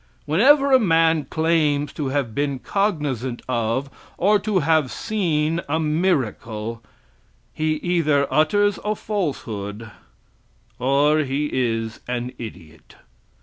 Whenever a man claims to have been cognizant of, or to have seen a miracle, he either utters a falsehood, or he is an idiot.